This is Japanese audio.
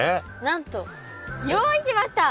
なんと用意しました。